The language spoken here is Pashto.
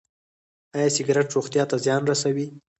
ایا سګرټ روغتیا ته زیان رسوي؟